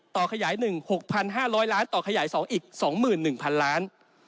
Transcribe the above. ขยาย๑๖๕๐๐ล้านต่อขยาย๒อีก๒๑๐๐๐ล้าน